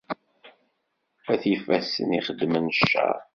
At yifassen ixeddmen ccer.